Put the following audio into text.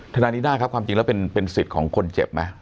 ทนายนิด้าครับความจริงแล้วเป็นสิทธิ์ของคนเจ็บไหม